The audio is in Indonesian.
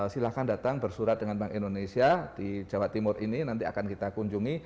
silahkan datang bersurat dengan bank indonesia di jawa timur ini nanti akan kita kunjungi